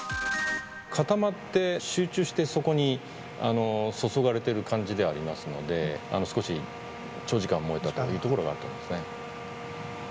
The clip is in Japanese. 固まって集中してそこに注がれてる感じではありますので、少し長時間、燃えたというところがあると思いますね。